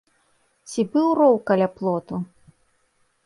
Ці быў роў каля плоту?